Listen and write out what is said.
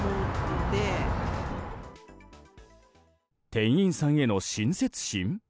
店員さんへの親切心？